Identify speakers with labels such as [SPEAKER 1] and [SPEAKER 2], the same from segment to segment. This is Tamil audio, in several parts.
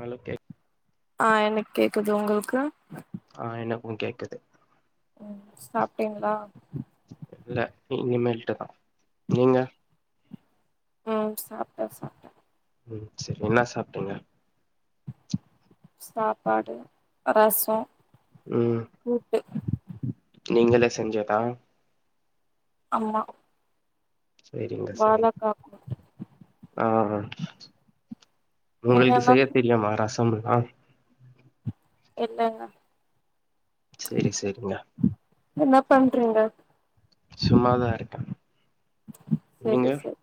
[SPEAKER 1] ஆலுக்கே
[SPEAKER 2] ஆ எனக் கேக்குது உங்களுக்கு
[SPEAKER 1] ஆ எனக்கு கேக்குது
[SPEAKER 2] ம் சாப்ட்டீங்ளா
[SPEAKER 1] இல்ல இனிமேல்ட்தா நீங்க
[SPEAKER 2] ம் சாப்ட்ட சாப்
[SPEAKER 1] ம் செரி என்னா சாப்ட்டீங்க
[SPEAKER 2] சாப்பாடு ரசோ
[SPEAKER 1] ம்
[SPEAKER 2] கூட்டு
[SPEAKER 1] நீங்களே செஞ்சதா
[SPEAKER 2] அம்மா
[SPEAKER 1] செரிங்க செரிங்
[SPEAKER 2] கூட்டு
[SPEAKER 1] ஆ
[SPEAKER 2] நீங்க
[SPEAKER 1] உங்ளுக்கு
[SPEAKER 2] என்ன
[SPEAKER 1] செய்ய தெரியமா ரசம்ல்லா
[SPEAKER 2] என்னங்க
[SPEAKER 1] செரி செரிங்க
[SPEAKER 2] என்னா பண்றீங்க
[SPEAKER 1] சும்மாதா இருக்கே நீங்க
[SPEAKER 2] செரி சார்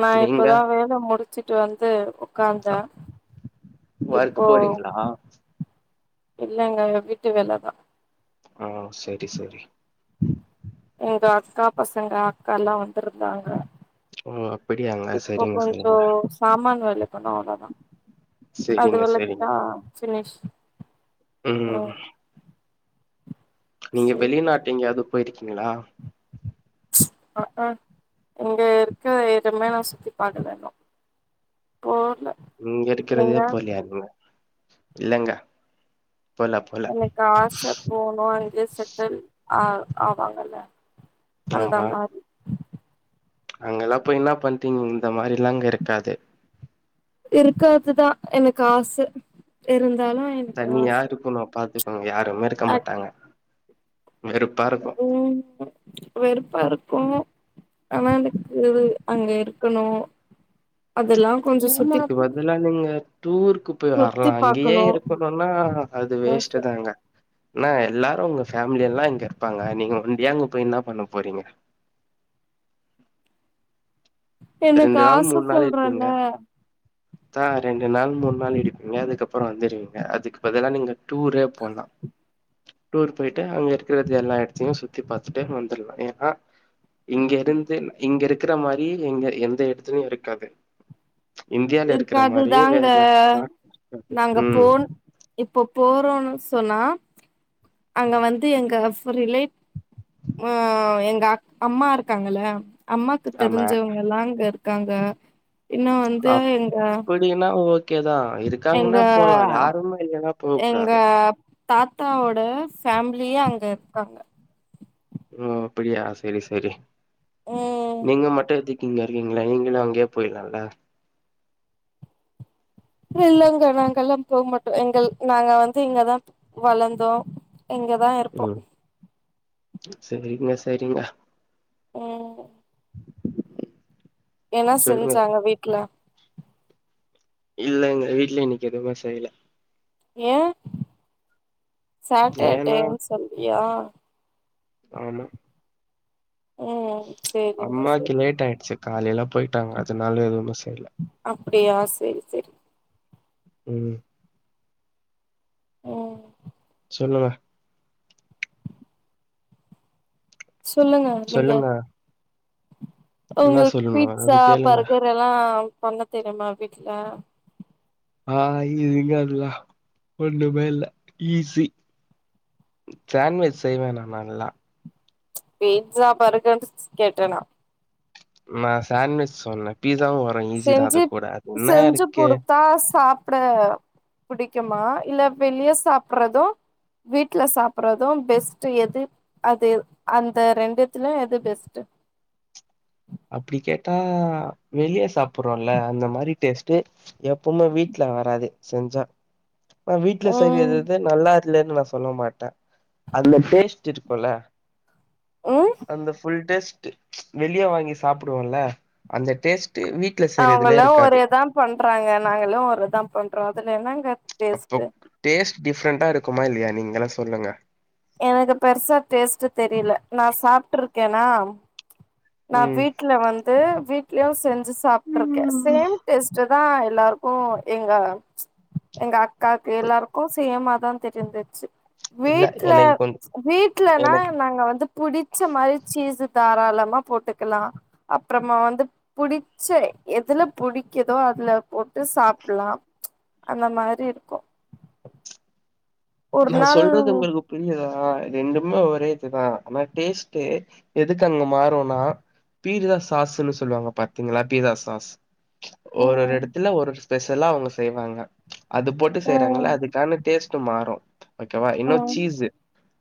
[SPEAKER 2] நா
[SPEAKER 1] நீங்க
[SPEAKER 2] இப்போதா வேல முடிச்சுட்டு வந்து உக்காந்த இப்போ
[SPEAKER 1] ஒர்க் போறீங்களா
[SPEAKER 2] இல்லங்க ஏ வீட்டு வேலைதா
[SPEAKER 1] ஆ செரி செரி
[SPEAKER 2] எங்க அக்கா பசங்க அக்காலா வந்திருந்தாங்க
[SPEAKER 1] ஓ அப்டியாங்க
[SPEAKER 2] இப்போ
[SPEAKER 1] செரிங்க
[SPEAKER 2] கொஞ்சோ
[SPEAKER 1] செரிங்க
[SPEAKER 2] சாமான் வெலக்கணு அவ்ளோதா அது
[SPEAKER 1] சரிங்க சரிங்க
[SPEAKER 2] வெலக்கிட்டா ஃபினிஷ்
[SPEAKER 1] ம் நீங்க
[SPEAKER 2] செரி
[SPEAKER 1] வெளிநாட்டு எங்யாது போயிருக்கீங்ளா
[SPEAKER 2] அ அ இங்க இருக்க எதுமே நா சுத்தி பாக்கல இன்னு போடு ல
[SPEAKER 1] இங்க இருகக்றதே போலியா இன்னு இல்லங்க போல போல
[SPEAKER 2] எனக்கு ஆச போ ஓ அங்கே செட்டெல் ஆ ஆவாங்கல்ல அந்த
[SPEAKER 1] ஆமா
[SPEAKER 2] மாரி
[SPEAKER 1] அங்கெல்லா போய் இன்ன பண்ட்டீங் இந்த மாரிலா அங்க இருக்காது
[SPEAKER 2] இருக்காதுதா எனக்கு ஆச இருந்தாலு எனக்கு
[SPEAKER 1] தனியா
[SPEAKER 2] ஆச
[SPEAKER 1] இருக்குனோ பாத்துக்கோங்க யாருமே இருக்க
[SPEAKER 2] அக்
[SPEAKER 1] மாட்டாங்க வெறுப்பா இருக்கு
[SPEAKER 2] ம் வெறுப்பாருக்கு அனா எனக்கு அங்க இருக்கணு அதெல்லா கொஞ்சொ
[SPEAKER 1] அதுக்கு பதிலா நீங்க டூருக்கு போய்
[SPEAKER 2] சுத்தி
[SPEAKER 1] வரலா இங்கேயே
[SPEAKER 2] பாக்கணு
[SPEAKER 1] இருக்கணுனா அது
[SPEAKER 2] ஆச
[SPEAKER 1] வேஸ்ட்டு தாங்க என்ன எல்லாரு உங்க ஃபேமிலி எல்லா இங்க இருப்பாங்க நீங்க ஒண்டியா அங்க போய் இன்னா பண்ண போறீங்க
[SPEAKER 2] எனக்
[SPEAKER 1] ரெண்டு நாள்
[SPEAKER 2] ஆச
[SPEAKER 1] மூணு நாள்
[SPEAKER 2] சொல்றேல
[SPEAKER 1] இருப்பீங்க தா ரெண்டு நாள் மூணு நாள் இருப்பீங்க அதுக்கப்றோ வந்துருவீங்க அதுக் பதிலா நீங்க டூரே போலா
[SPEAKER 2] [inaudible]
[SPEAKER 1] டூர் பொயிட்டு அங்க இருக்றது எல்லா எடத்தையு சுத்தி பாத்துட்டு வந்துர்லா ஏன்னா இங்க இருந்து இங்க இருக்குற மாரி எங்க எந்த எடத்துலயு இருக்காது இந்தியால இருக்குற மாரி வேற
[SPEAKER 2] இருக்காதுதாங்க
[SPEAKER 1] நா நாட் அ
[SPEAKER 2] நாங்க
[SPEAKER 1] [inaudible] உம்
[SPEAKER 2] போன் இப்போ போறோன்னு சொன்னா அங்க வந்து எங்க ஃபுள் ரிலே அ எங்க அக் அம்மா ருக்காங்கள அம்மாக்கு
[SPEAKER 1] ஆமா.
[SPEAKER 2] தெரிஞ்சவங்கலா அங்க இருக்காங்க இன்னு வந்து எங்க
[SPEAKER 1] அப்டின்னா ஓக்கே தா
[SPEAKER 2] எங்க
[SPEAKER 1] இருக்காங்கன்னா போலா யாருமே இல்லனா போ
[SPEAKER 2] எங்க
[SPEAKER 1] கூடாது
[SPEAKER 2] தாத்தாவோட ஃபேம்லியே அங்க இருக்காங்க
[SPEAKER 1] ஓ அப்படியா செரி செரி
[SPEAKER 2] ம்
[SPEAKER 1] நீங்க மட்டு எதுக் கிங்க இருக்கீங்களே நீங்களு அங்யே போய்லால்ல
[SPEAKER 2] இல்லங்க நாங்கல்லா போ மாட்டோ எங்கள் நாங்க வந்து இங்கதா வளந்தோ இங்கதா இருப்போ
[SPEAKER 1] உம் சரிங்க சரிங்க
[SPEAKER 2] ம் என
[SPEAKER 1] சொல்லுங்க.
[SPEAKER 2] செஞ்சாங்க வீட்ல
[SPEAKER 1] இல்லங்க வீட்ல இன்னிக் எதுமே செய்ல
[SPEAKER 2] ஏ
[SPEAKER 1] ஏன்னா
[SPEAKER 2] சாட்டர்டேன் சொல்லியா
[SPEAKER 1] ஆம்மா
[SPEAKER 2] ம் சேரிங்க
[SPEAKER 1] அம்மாக்கி
[SPEAKER 2] சேரிங்க
[SPEAKER 1] லேட் ஆயிட்ச்சு காலில பொய்ட்டாங்க அதுனால எதுவுமே செய்ல
[SPEAKER 2] அப்டியா சேரி சேரி
[SPEAKER 1] ம்
[SPEAKER 2] ம்
[SPEAKER 1] சொல்லுங்க
[SPEAKER 2] சொல்லுங்க
[SPEAKER 1] சொல்லுங்க என்ன
[SPEAKER 2] உங்களுக்
[SPEAKER 1] சொல்லணும்? ஏதாவது
[SPEAKER 2] பீ்ட்ஸா
[SPEAKER 1] கேளுங்க.
[SPEAKER 2] பர்கர் எல்லா பண்ண தெரிய்மா வீட்ல
[SPEAKER 1] ஆ இதுங்க அதுலா ஒண்ணுமே இல்ல ஈசி சேண்ட்வெஜ் செய்வே நா நல்லா
[SPEAKER 2] பீட்ஸா பர்கர்ன்னுட் ஸ் கேட்ட நா
[SPEAKER 1] நா சாண்வெஜ் சொன்ன பீஸாவு வ
[SPEAKER 2] செஞ்சுப் செஞ்சு குடுத்தா சாப்ட புடிக்குமா இல்ல வெளிய சாப்புறதோ வீட்ல சாப்புறதோ பெஸ்ட்டு எது அது அந்த ரெண்டுத்துல எது பெஸ்ட்டு
[SPEAKER 1] அப்டி கேட்டா வெளியோ சாப்புறோல்ல அந்த மாரி டேஸ் டு எப்பவுமே வீட்ல வராது செஞ்சா அ வீட்ல
[SPEAKER 2] ம்
[SPEAKER 1] செய்றதுத நல்லார் இல்லேனு நா சொல்ல மாட்டே அதுல டேஸ்ட்டு இருக்குல்ல
[SPEAKER 2] ம்
[SPEAKER 1] அந்த ஃபுல் டேஸ்ட்டு வெளிய வாங்கி சாப்டுவோல்ல அந்த டேஸ்ட் வீட்
[SPEAKER 2] அவுங்களா ஒரேத்தா பண்றாங்க நாங்களு ஒருதா பண்றோ அதுல என்னங்க டேஸ்ட்டு
[SPEAKER 1] அப்பொப் டேஸ்ட் டிஃப்ரெண்டா இருக்குமா இல்லையா நீங்கல்லா சொல்லுங்க
[SPEAKER 2] எனக்கு பெர்சா டேஸ்ட்ட் தெரியில நா சாப்பனட்டுருக்கேனா நா
[SPEAKER 1] ம்.
[SPEAKER 2] வீட்டு்ல வந்து வீட்லயு செஞ்சு சாப்ட்டுருக்கே
[SPEAKER 1] ம்.
[SPEAKER 2] சேம் டேஸ்ட்டு தா எல்லார்க்கு இங்க எங்க அக்காக்கு எல்லாருக்கு சேமாதா தெரிந்து துச்சு
[SPEAKER 1] இல்ல
[SPEAKER 2] வீட்ல
[SPEAKER 1] எனக்கு கொஞ்
[SPEAKER 2] வீட்லனா
[SPEAKER 1] எனக்கு
[SPEAKER 2] நாங்க வந்து புடிச்ச மாரி சீஸ்ஸு தாராளமா போட்டுக்கலா அப்றமா வந்து புடிச்ச எதுல புடிக்குதோ அதுல போட்டு சாப்ட்லா அந்த மாரி இருக்கு ஒரு
[SPEAKER 1] நா
[SPEAKER 2] நாள்
[SPEAKER 1] சொல்றது உங்களுக்கு புரியுதா ரெண்டுமே ஒரே இதுதா ஆனா டேஸ்ட்டு எதுக்கு அங்க மாறுனா பீட்சா சாஸூன்னு சொல்லுவாங்க பாத்தீங்களா பீட்சா சாஸ் ஒரு ஒரு
[SPEAKER 2] ம்
[SPEAKER 1] இடத்துல ஒரு ஸ்பெஷலா அவுங்க செய்வாங்க அது போட்டு செய்றாங்கல
[SPEAKER 2] ம்
[SPEAKER 1] அதுக்கான டேஸ்ட் ட்டு மாறும் ஓகேவா இன்னு
[SPEAKER 2] ம்
[SPEAKER 1] சீஸ்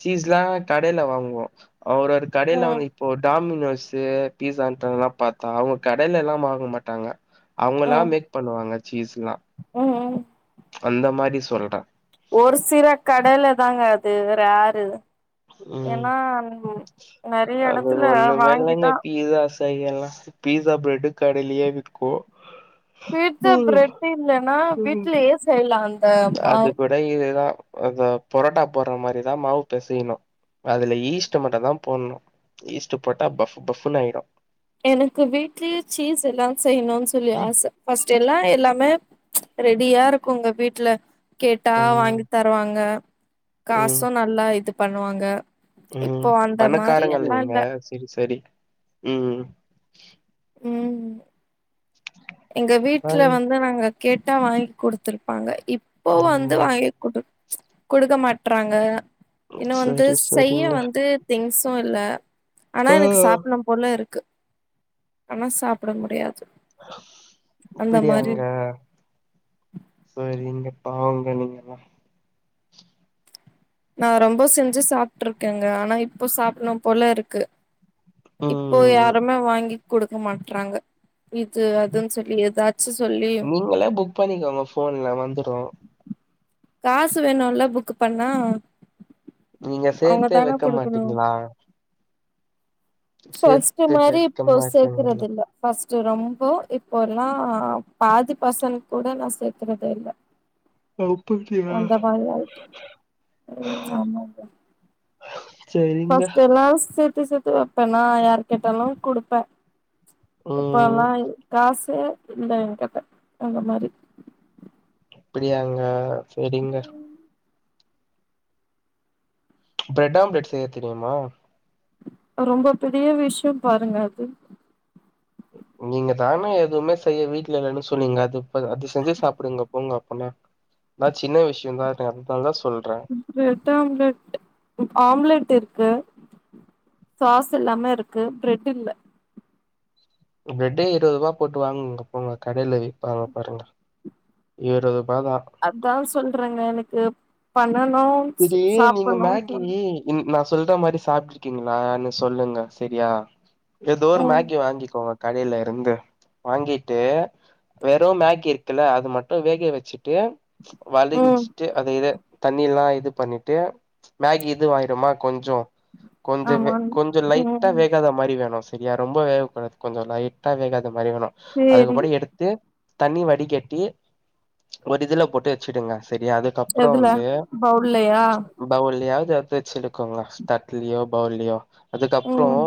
[SPEAKER 1] சீஸ்ல்லா கடையில வாங்குவோ அவர் ஒரு கடையில
[SPEAKER 2] ம் ம்
[SPEAKER 1] வந்து இப்போ டாமினோஸு பீட்ஸால்லா பாத்தா அவுங்க கடையில எல்லா வாங்க மாட்டாங்க அவுங்களா மேக் பண்ணுவாங்க சீஸ்ல்லா
[SPEAKER 2] ம் ம்
[SPEAKER 1] அந்த மாரி சொல்ற
[SPEAKER 2] ஒரு சில கடையில தாங்க அது ரேரு
[SPEAKER 1] ம்.
[SPEAKER 2] ஏன்னா நிறைய இடத்துல வாங்கிதான்
[SPEAKER 1] பீட்சாஸ் ச எல்லாம் பீட்சா ப்ரெட்டு கடையிலையே விக்கு
[SPEAKER 2] பீட்சா பிரெட் இல்லனா வீட்லயே செய்யலா அந்த
[SPEAKER 1] அது
[SPEAKER 2] மாவு
[SPEAKER 1] கூட இதுதான் அது பொரட்டா போடுற மாதிரிதான் மாவு பெசையணும் அதுல ஈஸ்ட்டு மட்டும் தான் போடணும் ஈஸ்ட்டு போட்டா பஃப் பஃப்ன்னு ஆயிடும்
[SPEAKER 2] எனக்கு வீட்லயே சீஸ் எல்லாம் செய்யணும்னு சொல்லி ஆச ஃபர்ஸ்ட் எல்லாம் எல்லாமே ரெடியா இருக்கும்ங்க வீட்டுல கேட்டா
[SPEAKER 1] ம்
[SPEAKER 2] வாங்கி தருவாங்க
[SPEAKER 1] ம்
[SPEAKER 2] காசும் நல் நல்ல இது பண்ணுவாங்க இப்போ அந்த மாதிரி எல்லாம் இல்ல
[SPEAKER 1] சரி சரி உம்
[SPEAKER 2] உம் எங்க வீட்டுல
[SPEAKER 1] பாய்
[SPEAKER 2] வந்து நாங்க கேட்டா வாங்கி குடுத்துருப்பாங்க இப்போ வந்து
[SPEAKER 1] ம்
[SPEAKER 2] வாங்கி குடு குடுக்க மாட்றாங்க இன்னும் வந்து
[SPEAKER 1] சரி
[SPEAKER 2] செய்ய
[SPEAKER 1] சரிங்க
[SPEAKER 2] வந்து திங்ஸும் இல்ல ஆனா
[SPEAKER 1] ஆ
[SPEAKER 2] எனக்கு சாப்டனு போல இருக்கு ஆனா சாப்பிட முடியாது அந்த மாரி
[SPEAKER 1] அப்படியாங்க
[SPEAKER 2] இருக்கு
[SPEAKER 1] சரிங்க பாவங்க நீங்கலா
[SPEAKER 2] நா ரொம்ப செஞ்சு சாப்ட்டு இருக்கேங்க ஆனா இப்ப சாப்டணும் போல இருக்கு இப்போ
[SPEAKER 1] ம்
[SPEAKER 2] யாருமே வாங்கி குடுக்க மாட்றாங்க இது அதுன்னு சொல்லி ஏதாச்சு சொல்லி
[SPEAKER 1] நீங்களே புக் பண்ணிக்கோங்க ஃபோன்ல வந்துரு
[SPEAKER 2] காசு வேணும்ல்ல புக்கு பண்ணா
[SPEAKER 1] நீங்க
[SPEAKER 2] அவங்க
[SPEAKER 1] சேத்தே
[SPEAKER 2] தான
[SPEAKER 1] வைக்க
[SPEAKER 2] குடுக்கணு
[SPEAKER 1] மாட்டீங்களா
[SPEAKER 2] ஃபர்ஸ்ட்டு
[SPEAKER 1] சேத்து
[SPEAKER 2] மாரி
[SPEAKER 1] வெக்க
[SPEAKER 2] இப்போ சேக்குறது
[SPEAKER 1] மாட்டீங்களா
[SPEAKER 2] இல்ல ஃபர்ஸ்ட்டு ரொம்ப இப்போ எல்லாம் பாதி பசல் கூட நா சேக்குறதே இல்ல
[SPEAKER 1] அப்படியா
[SPEAKER 2] அந்த மாதிரி ஆயிட்டு ம் ஆமாங்க
[SPEAKER 1] சரிங்க
[SPEAKER 2] ஃபர்ஸ்டு எல்லாம் சேத்து சேத்து வைப்பேன்னா யார் கேட்டாலும் குடுப்பேன்
[SPEAKER 1] ம்
[SPEAKER 2] இப்பல்லாம் காசே இல்ல என் கிட்ட அந்த மாரி
[SPEAKER 1] அப்படியாங்க சரிங்க பிரெட் ஆம்லேட் செய்ய தெரியுமா
[SPEAKER 2] ரொம்ப பெரிய விஷயம் பாருங்க அது
[SPEAKER 1] நீங்க தான எதுவுமே செய்ய வீட்டுல இல்லன்னு சொன்னீங்க அது அது செஞ்சு சாப்டுங்க போங்க அப்பனா நா சின்ன விஷயம்தான் அதனால தான் சொல்ற
[SPEAKER 2] பிரெட் ஆம்லெட் ஆம்லெட் இருக்கு சாஸ் எல்லாமே இருக்கு பிரெட் இல்ல
[SPEAKER 1] பிரெட்டே இருபது ரூபா போட்டு வாங்குங்க போங்க கடையில விப்பாங்க பாருங்க இருவதுரூபாதா
[SPEAKER 2] அதா சொல்றங்க எனக்கு பண்ணனு
[SPEAKER 1] இது நீங்க மேகி நீ நா சொல்ற மாதிரி சாப்ட்டுருக்கீங்களானு சொல்லுங்க சரியா ஏதோ ஒரு
[SPEAKER 2] ம்
[SPEAKER 1] மேகி வாங்கிக்கோங்க கடையில இருந்து வாங்கிட்டு வெறும் மேகி இருக்குல்ல அது மட்டு வேகைய வச்சுட்டு
[SPEAKER 2] ம்
[SPEAKER 1] வலிஞ்சிட்டு அது இத தண்ணி எல்லா இது பண்ணிட்டு மேகி இது ஆய்டுமா கொஞ்சொ கொஞ்ச
[SPEAKER 2] ஆமான்
[SPEAKER 1] கொஞ்ச லைட்டா
[SPEAKER 2] ம்
[SPEAKER 1] வேகாத மாரி வேணு சரியா ரொம்ப வேகக்கூடாது கொஞ்ச லைட்டா வேகாத மாரி வேணு
[SPEAKER 2] சேரி
[SPEAKER 1] அதுக்கப்படி எடுத் து தண்ணி வடிகட்டி ஒரு இதுல போட்டு வச்சுடுங்க சரியா அது க்கப்புற
[SPEAKER 2] எதுல
[SPEAKER 1] வந்து
[SPEAKER 2] பவுல்லயா
[SPEAKER 1] பவுலயாவது எத்து வச்சுடுக்கோங்க தட்லியோ பவுலியோ அதுக்கப்புறோ
[SPEAKER 2] ம்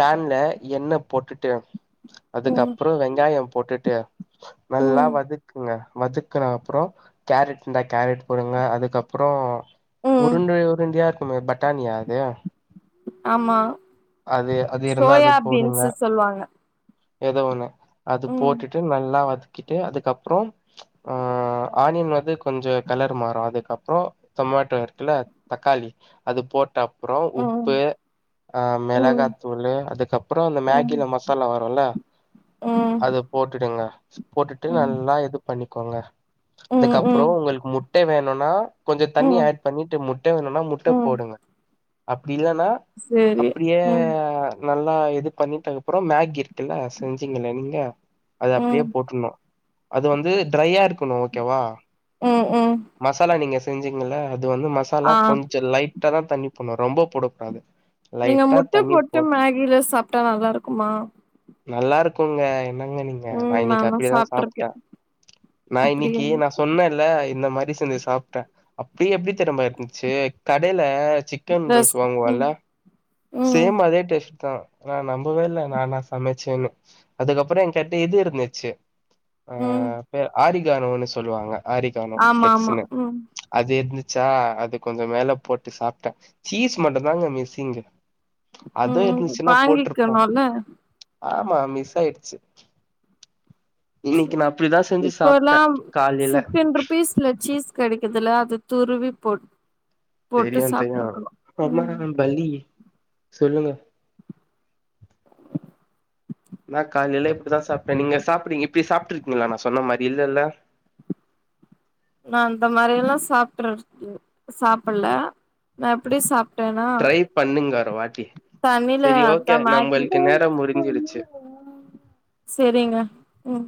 [SPEAKER 1] பேன்ல எண்ணெ போட்டுட்டு
[SPEAKER 2] ம்
[SPEAKER 1] அதுக்கப்புறோ வெங்காய போட்டுட்டு நல்லா
[SPEAKER 2] ம்
[SPEAKER 1] வதக்குங்க வதக் க்குன அப்ற கேரட் இருந்தா கேரட் போடுங்க அதுக்கப்புற
[SPEAKER 2] ம்
[SPEAKER 1] உருண்டு உருண்டியா இருக்குமே பட்டானியா அது
[SPEAKER 2] ஆமா
[SPEAKER 1] அது அது இருந்தா அது
[SPEAKER 2] சோயா
[SPEAKER 1] போடுங்க
[SPEAKER 2] பீன்ஸு சொல்வாங்க
[SPEAKER 1] எத ஒண்ணு அது
[SPEAKER 2] ம்
[SPEAKER 1] போட்டுட்டு நல்லா வதக் கிட்டு அதுக்கப்புற ஆ ஆனியன் வந்து கொஞ்ச கலர் மாறு அதுக்கப் புறோ டொமேட்டோ இருக்குல்ல தக்காளி அது போட்ட அப்புற
[SPEAKER 2] ம்
[SPEAKER 1] உப்பு அ
[SPEAKER 2] ம்
[SPEAKER 1] மெளகாத்தூளு அதுக்கப்புற இந்த
[SPEAKER 2] ம்
[SPEAKER 1] மேகில மசாலா வருல
[SPEAKER 2] ம்
[SPEAKER 1] அது போட்டுடுங்க போட்டுட்டு
[SPEAKER 2] ம்
[SPEAKER 1] நல்லா இது பண்ணிக்கோங்க
[SPEAKER 2] ம்
[SPEAKER 1] அதுக்கப்புற
[SPEAKER 2] ம்
[SPEAKER 1] உங்களுக்கு முட்ட வேணுனா கொஞ்ச தண்ணி
[SPEAKER 2] ம்
[SPEAKER 1] ஆட் பண்ணிட்டு முட்ட வேணுனா முட்ட
[SPEAKER 2] ம்
[SPEAKER 1] போடுங்க அப்டி இல்லனா
[SPEAKER 2] சேரி
[SPEAKER 1] அப்டியே
[SPEAKER 2] ம்
[SPEAKER 1] நல்லா இது பண்ணிட்டு அதுக்கப்ற மேகி இருக்குல்ல செஞ்சிங்கள நீங்க அது
[SPEAKER 2] ம்
[SPEAKER 1] அப்டியே போட்டுணு அது வந்து ட்ரையா இருக்கணு ஓகேவா
[SPEAKER 2] ம் ம்
[SPEAKER 1] மசாலா நீங்க செஞ்சீங்கல அது வந்து மசாலா
[SPEAKER 2] ஆ
[SPEAKER 1] கொஞ்ச லைட் ட்டா தா தண்ணி போடனு ரொம்ப போடக்கூடாது
[SPEAKER 2] நீங்க
[SPEAKER 1] லைட்டா
[SPEAKER 2] முட்ட
[SPEAKER 1] தண்ணி
[SPEAKER 2] போட்டு
[SPEAKER 1] போட்
[SPEAKER 2] மேகில சாப்ட்டா நல்லா இருக்குமா
[SPEAKER 1] நல்லா இருக்குங்க என்னங்க நீங்க
[SPEAKER 2] ம்
[SPEAKER 1] நான் இன்னைக்கு
[SPEAKER 2] நாலா
[SPEAKER 1] அப்டிதா சாப்ட்ட
[SPEAKER 2] சாப்ட்ருக்கே
[SPEAKER 1] நா
[SPEAKER 2] அப்டியா
[SPEAKER 1] இன்னைக்கு நா சொன்னல இந்த மாரி செஞ்சு சாப்ட்ட அப்டியே எப்டி தெரிமா இருந்துச்சு கடையில சிக்கன் ரைஸ்
[SPEAKER 2] ரஸ் ம்
[SPEAKER 1] வாங்குவல
[SPEAKER 2] ம்
[SPEAKER 1] சேம் அதே டேஸ்ட் தா நா நம்பவே இல்ல நானா சமைச்சேனு அதுக்கப்புற என் கிட்ட இது இருந்துச்சு ஆ
[SPEAKER 2] ம்
[SPEAKER 1] பேர் ஆரிகானோனு சொல்லுவாங்க ஆரிகானோ
[SPEAKER 2] ஆமா ஆமா
[SPEAKER 1] பிளெக்ஸ்னு
[SPEAKER 2] ம்
[SPEAKER 1] அது இருந்துச்சா அது கொஞ்ச மேல போட்டு சாப்ட்ட சீஸ் மட்டு தாங்க மிஸ்ஸிங்கு அது
[SPEAKER 2] ம்
[SPEAKER 1] இருந்துச்சுன்னா போட்ருப்ப
[SPEAKER 2] வாங்கிக்கணும்ல
[SPEAKER 1] ஆமா மிஸ் ஆயிடுச்சு இன்னைக்கு நா அப்டிதா செஞ்சு சாப்ட்ட காலைல
[SPEAKER 2] சீஸ்ன சீஸ் கெடைக்குதுல்ல அது துருவி போ
[SPEAKER 1] தெரியு தெரியு அம்மா
[SPEAKER 2] ம்
[SPEAKER 1] பல்லி சொல்லுங்க நா காலைல இப்டிதா சாப்ட்ட நீங்க சாப்படறீங்க இப்ப சாப்ட்ருக்கீங்களா நா சொன்ன மாரி இல்லல்ல
[SPEAKER 2] நா அந்த மாரியெல்லா சாப்பட்றக்கு சாப்பட்ல நா எப்படி சாப் ட்டன்னா
[SPEAKER 1] ட்ரை பண்ணுங்க ஒரு வாட்டி
[SPEAKER 2] தண்ணீல
[SPEAKER 1] செரி
[SPEAKER 2] அத்தா
[SPEAKER 1] ஓகே
[SPEAKER 2] மேகி
[SPEAKER 1] நம்மளுக்கு நேரம் முடிஞ்சிருச்சு
[SPEAKER 2] செரிங்க ம்